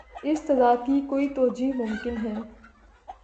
اس تضاد کی کیا کوئی توجیہہ ممکن ہے؟